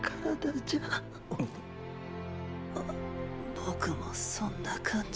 僕もそんなかんじ。